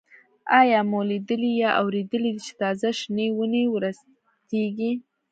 آیا مو لیدلي یا اورېدلي دي چې تازه شنې ونې ورستېږي؟